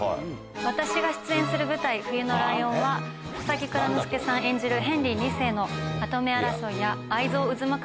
私が出演する舞台『冬のライオン』は佐々木蔵之介さん演じるヘンリー２世の跡目争いや愛憎渦巻く